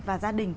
và gia đình